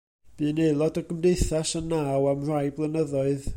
Bu'n aelod o Gymdeithas Y Naw am rai blynyddoedd.